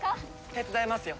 手伝いますよ。